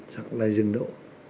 hoặc là dừng đỗ